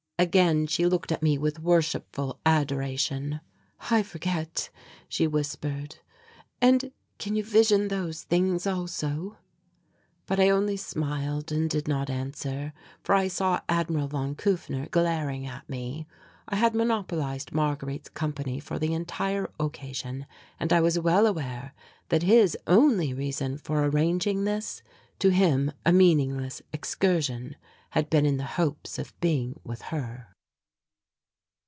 Again she looked at me with worshipful adoration. "I forget," she whispered; "and can you vision those things also?" But I only smiled and did not answer, for I saw Admiral von Kufner glaring at me. I had monopolized Marguerite's company for the entire occasion, and I was well aware that his only reason for arranging this, to him a meaningless excursion, had been in the hopes of being with her.